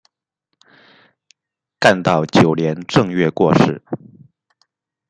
干道九年正月过世。